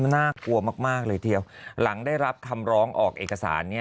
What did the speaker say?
น่ากลัวมากเลยทีเดียวหลังได้รับคำร้องออกเอกสาร